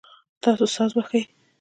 تاسو ساز وهئ؟